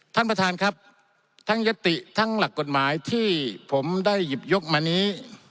ท่านประธานครับทั้งยติทั้งหลักกฎหมายที่ผมได้หยิบยกมานี้